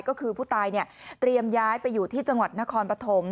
ก็คือผู้ตายเตรียมย้ายไปอยู่ที่จังหวัดนครปฐม